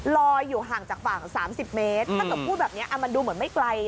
ลอยอยู่ห่างจากฝั่งสามสิบเมตรถ้าเกิดพูดแบบเนี้ยอ่ะมันดูเหมือนไม่ไกล